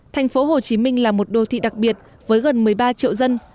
thành phố hồ chí minh là một đô thị đặc biệt với gần một mươi ba triệu dân